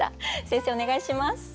先生お願いします。